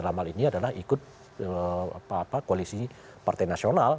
dalam hal ini adalah ikut koalisi partai nasional